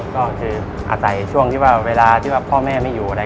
ก็คืออาศัยช่วงที่ว่าเวลาที่ว่าพ่อแม่ไม่อยู่อะไร